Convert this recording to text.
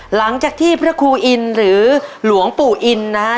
หลังจากที่พระครูอินหรือหลวงปู่อินนะฮะ